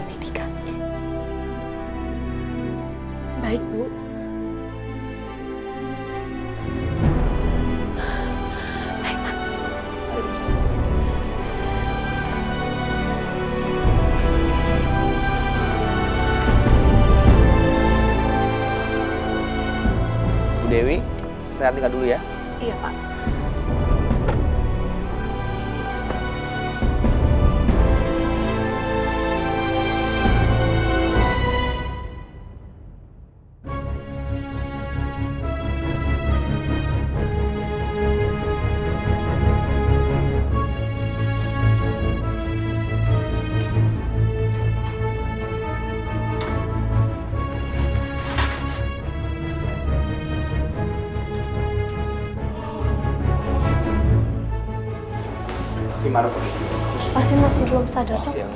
pasti masih belum sadar dok